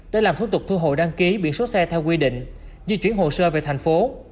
để làm thủ tục thu hồ đăng ký biển số xe theo quy định di chuyển hồ sơ về thành phố